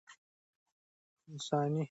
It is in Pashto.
انساني عاطفه تر هر څه لوړه ده.